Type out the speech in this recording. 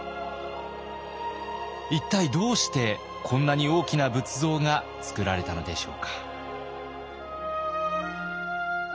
一体どうしてこんなに大きな仏像がつくられたのでしょうか。